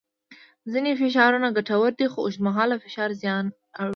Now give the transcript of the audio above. ځینې فشارونه ګټور دي خو اوږدمهاله فشار زیان اړوي.